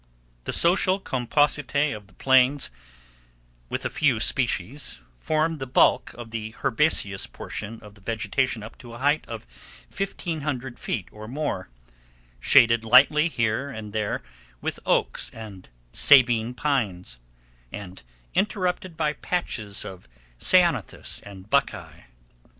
The social compositae of the plain, with a few added species, form the bulk of the herbaceous portion of the vegetation up to a height of 1500 feet or more, shaded lightly here and there with oaks and Sabine Pines, and interrupted by patches of ceanothus and buckeye.